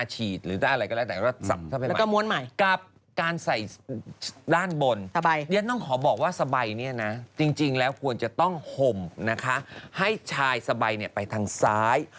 ฉะนั้นต้องขอบอกว่าสบัยเนี่ยต้องฮมให้ชายสบัยไปทางซ้าย